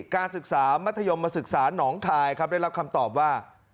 การศึกษามัธยมศึกษาหนองคายครับได้รับคำตอบว่า